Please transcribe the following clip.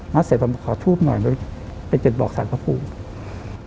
แล้วเสร็จผมบอกขอทูบหน่อยโดยเป็นเจ็ดบอกสารพระภูมิ